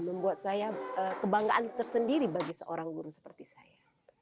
membuat saya kebanggaan tersendiri bagi seorang guru seperti saya